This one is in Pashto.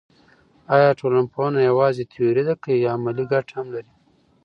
آیا ټولنپوهنه یوازې تیوري ده که عملي ګټه هم لري.